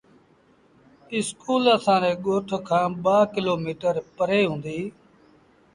اسڪول اسآݩ ري ڳوٺ کآݩ ٻآ ڪلو ميٚٽر پري هُݩديٚ۔